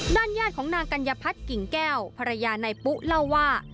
ด้านญาติของนางกัญญพัฒน์กิ่งแก้วภรรยานายปุ๊เล่าว่า